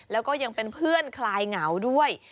แล้วก็ยังเป็นเพื่อนคลายเหงาด้วย